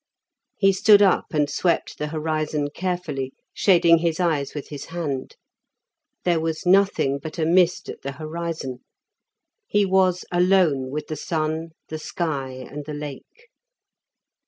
He stood up and swept the horizon carefully, shading his eyes with his hand; there was nothing but a mist at the horizon. He was alone with the sun, the sky, and the Lake.